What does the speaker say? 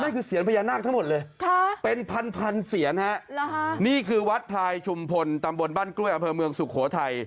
นั่นคือเสียนพระยานาคทั้งหมดเลยเป็นพันพันเสียนฮะนี่คือวั๓๕๐ตำบลบ้านกล้วยอำเภอเมืองสุโขทัย